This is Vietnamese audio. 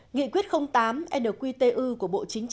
nghị quyết tám nqtu